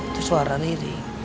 itu suara riri